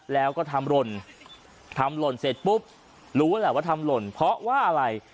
แล้วก็ทำหล่นทำหล่นเสร็จปุ๊บรู้แหละว่าทำหล่นเพราะว่าอะไร